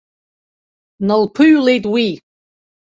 Дналԥыҩлеит уи.